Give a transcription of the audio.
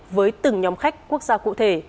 với từng nhóm khách quốc gia cụ thể